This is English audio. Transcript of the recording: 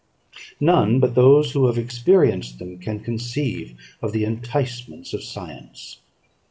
None but those who have experienced them can conceive of the enticements of science.